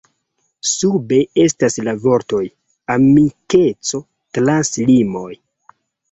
Sube estas la vortoj “Amikeco trans limoj”.